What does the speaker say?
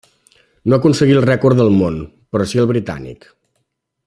No aconseguí el rècord del món, però sí el britànic.